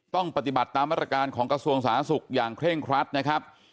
ต้องปฏิบัติตามมาตรการของกระทรวงสาธารณสุขอย่างเคร่งครัดนะครับ